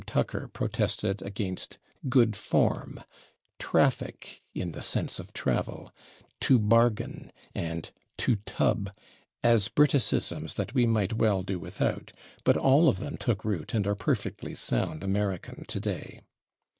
Tucker protested against /good form/, /traffic/ (in the sense of travel), /to bargain/ and /to tub/ as Briticisms that we might well do without, but all of them took root and are perfectly sound American today.